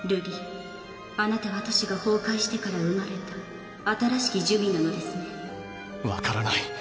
瑠璃あなたは都市が崩壊してから生まれた新しき珠魅なのですね。分からない。